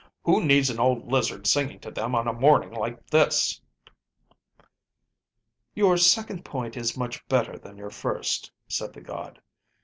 "Who needs an old lizard singing to them on a morning like this?" "Your second point is much better than your first," said the god.